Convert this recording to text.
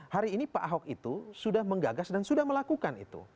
hari ini pak ahok itu sudah menggagas dan sudah melakukan itu